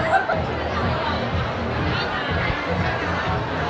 แล้วเราขอจับลูกต้อง